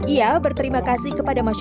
ia berterima kasih kepada masyarakat